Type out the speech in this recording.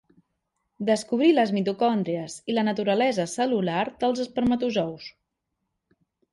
Descobrí les mitocòndries i la naturalesa cel·lular dels espermatozous.